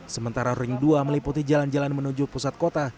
sementara ring dua meliputi jalan jalan menuju pusat kota